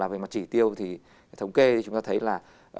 về mặt trị tiêu thống kê chúng ta thấy là